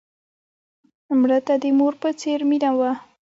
مړه ته د مور په څېر مینه وه